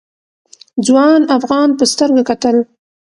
ځوان افغان په سترګه کتل.